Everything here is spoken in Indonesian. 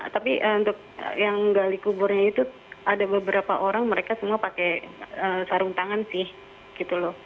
tapi untuk yang gali kuburnya itu ada beberapa orang mereka semua pakai sarung tangan sih gitu loh